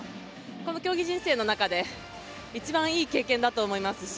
この競技人生の中で一番いい経験だと思いますし